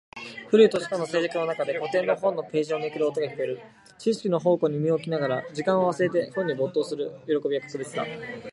古い図書館の静寂の中で、古典の本のページをめくる音が聞こえる。知識の宝庫に身を置きながら、時間を忘れて本に没頭する喜びは格別だ。